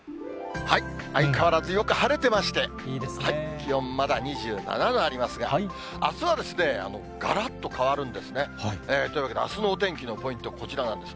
相変わらずよく晴れてまして、気温まだ２７度ありますが、あすはがらっと変わるんですね。というわけであすのお天気のポイント、こちらなんです。